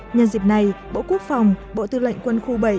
nhân dịp này bộ quốc phòng bộ tư lệnh quân khu bảy